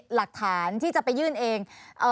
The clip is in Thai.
หลักฐานที่จะไปยื่นเอง